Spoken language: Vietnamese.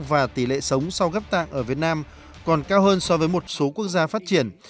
và tỷ lệ sống sau ghép tạng ở việt nam còn cao hơn so với một số quốc gia phát triển